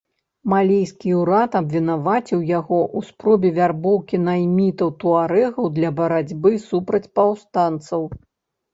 Малійскі ўрад абвінаваціў яго ў спробе вярбоўкі наймітаў-туарэгаў для барацьбы супраць паўстанцаў.